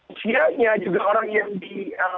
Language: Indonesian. usianya juga orang yang di